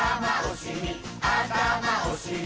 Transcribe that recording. あたまおしり